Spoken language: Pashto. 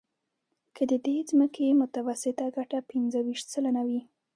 که د دې ځمکې متوسطه ګټه پنځه ویشت سلنه وي